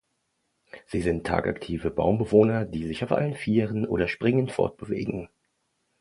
Sie sind tagaktive Baumbewohner, die sich auf allen vieren oder springend fortbewegen.